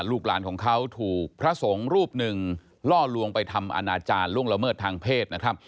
ลูกหลานของเขาถูกพระสงฆ์รูปหนึ่งล่อลวงไปทำอนาจารย์ล่วงละเมิดทางเพศนะครับ